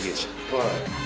はい。